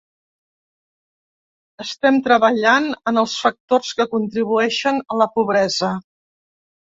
Estem treballant en els factors que contribueixen a la pobresa.